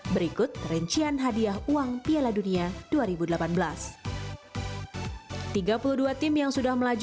berikut rincian hadiah uang piala dunia dua ribu delapan belas